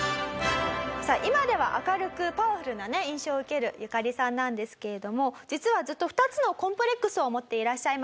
さあ今では明るくパワフルな印象を受けるユカリさんなんですけれども実はずっと２つのコンプレックスを持っていらっしゃいました。